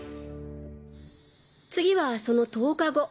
次はその１０日後。